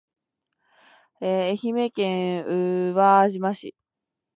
愛媛県宇和島市